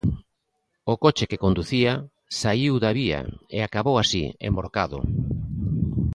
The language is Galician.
O coche que conducía saíu da vía e acabou así, envorcado.